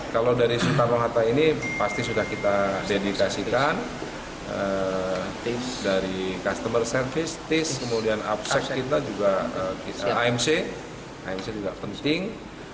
kalau dari soekarno hatta ini pasti sudah kita dedikasikan tips dari customer service tis kemudian absek kita juga amc amc juga penting